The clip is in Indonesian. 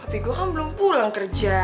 tapi gue kan belum pulang kerja